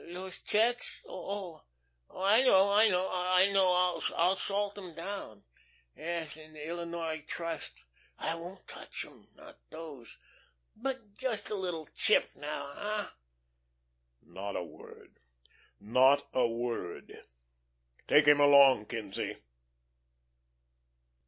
"Those checks? Oh, I know, I know, I know I'll salt 'em down. Yes, in the Illinois Trust. I won't touch 'em not those. But just a little tip now, hey?" "Not a word. Not a word. Take him along, Kinzie."